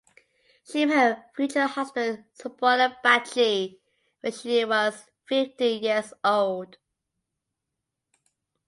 She met her future husband Subroto Bagchi when she was fifteen years old.